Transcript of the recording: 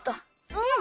うん。